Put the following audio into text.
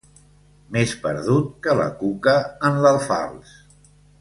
Més perdut que la cuca en l'alfals.